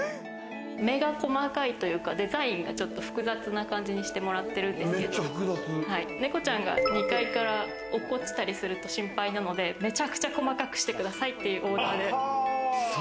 目が細かいというか、デザインがちょっと複雑な感じにしてもらってるんですけど、ネコちゃんが２階から落っこちたりすると心配なので、めちゃくちゃ細かくしてくださいっていうオーダーで。